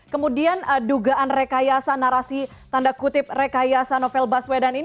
kemudian dugaan rekayasa narasi tanda kutip rekayasa novel baswedan ini